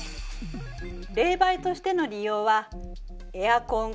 冷媒としての利用はエアコンクーラーね。